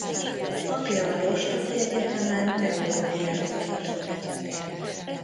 Apja a rostocki egyetemen teológiát tanított.